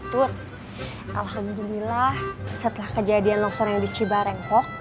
tuntut alhamdulillah setelah kejadian longsor yang dicibarengkok